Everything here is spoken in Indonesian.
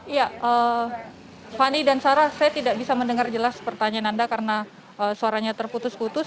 iya fani dan sarah saya tidak bisa mendengar jelas pertanyaan anda karena suaranya terputus putus